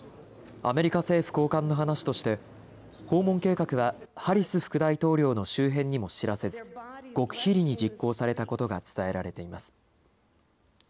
アメリカ政府高官の話として訪問計画はハリス副大統領の周辺にも知らせず極秘裏に実行されたことが伝えられています。